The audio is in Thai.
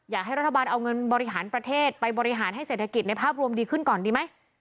อยากให้รัฐบาลเอาเงินบริหารประเทศไปบริหารให้เศรษฐกิจในภาพรวมดีขึ้นก่อนดีไหม